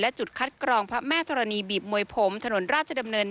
จุดคัดกรองพระแม่ธรณีบีบมวยผมถนนราชดำเนิน